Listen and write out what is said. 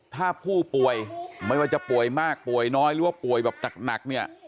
ถ้าผู้ป่วยไม่ว่าจะป่วยมากป่วยน้อยหรือว่าป่วยแบบหนักเนี่ย